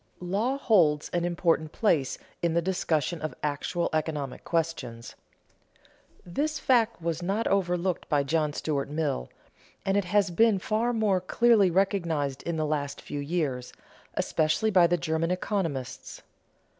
_ Law holds an important place in the discussion of actual economic questions. This fact was not overlooked by John Stuart Mill, and it has been far more clearly recognized in the last few years, especially by the German economists.